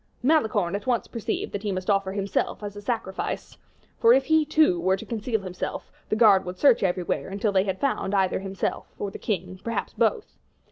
Malicorne at once perceived that he must offer himself as a sacrifice; for if he, too, were to conceal himself, the guard would search everywhere until they had found either himself or the king, perhaps both.